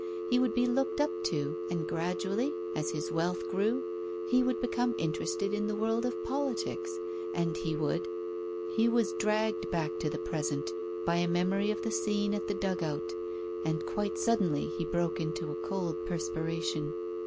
He would be looked up to, and gradually, as his wealth grew, he would become interested in the world of politics, and he would He was dragged back to the present by a memory of the scene at the dugout, and quite suddenly he broke into a cold perspiration.